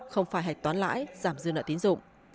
không phải hạch toán lãi giảm dư nợ tín dụng